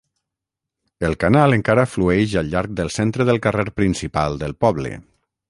El canal encara flueix al llarg del centre del carrer principal del poble.